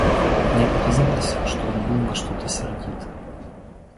Мне показалось, что он был на что-то сердит.